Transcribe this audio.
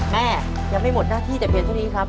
แม่ยังไม่หมดหน้าที่แต่เพียงเท่านี้ครับ